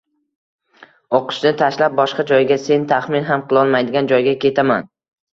O`qishni tashlab, boshqa joyga, sen taxmin ham qilolmaydigan joyga ketaman